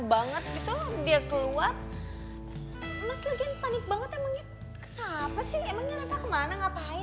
banget gitu dia keluar masjid panik banget emangnya kenapa sih emangnya apa kemana ngapain